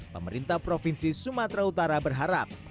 pemerintah provinsi sumatera utara berharap